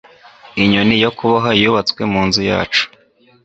inyoni yo kuboha yubatswe munzu yacu